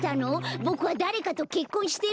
ボクはだれかとけっこんしてるの？